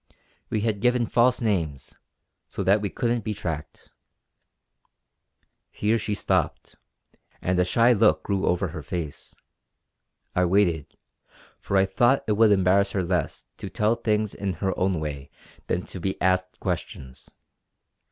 We had given false names, so that we couldn't be tracked." Here she stopped; and a shy look grew over her face. I waited, for I thought it would embarrass her less to tell things in her own way than to be asked questions.